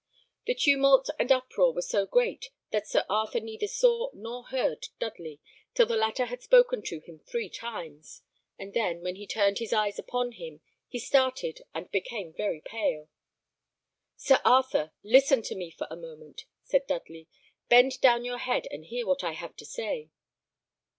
The tumult and uproar were so great that Sir Arthur neither saw nor heard Dudley, till the latter had spoken to him three times, and then, when he turned his eyes upon him, he started, and became very pale. "Sir Arthur, listen to me for a moment," said Dudley; "bend down your head, and hear what I have to say."